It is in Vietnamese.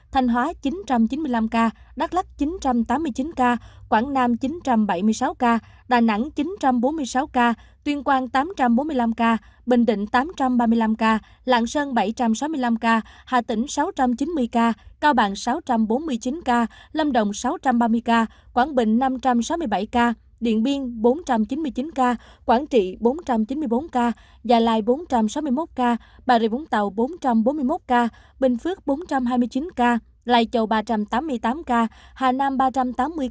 thành hóa một chín trăm chín mươi năm ca đắk lắc một chín trăm tám mươi chín ca quảng nam một chín trăm bảy mươi sáu ca đà nẵng một chín trăm bốn mươi sáu ca tuyên quang một tám trăm bốn mươi năm ca bình định một tám trăm ba mươi năm ca lạng sơn một bảy trăm sáu mươi năm ca hà tĩnh một sáu trăm chín mươi ca cao bạn một sáu trăm bốn mươi chín ca lâm động một sáu trăm ba mươi ca quảng bình một năm trăm sáu mươi bảy ca điện biên một bốn trăm chín mươi chín ca quảng trị một bốn trăm chín mươi bốn ca gia lai một bốn trăm sáu mươi một ca bà rịa vũng tàu một bốn trăm bốn mươi một ca bình phước một bốn trăm hai mươi chín ca hà nội một sáu trăm năm mươi ca hà nội một sáu trăm năm mươi ca hà nội một sáu trăm năm mươi ca hà nội một sáu trăm năm mươi ca hà nội một